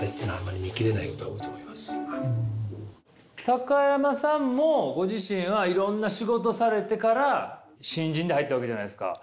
高山さんもご自身はいろんな仕事されてから新人で入ったわけじゃないですか。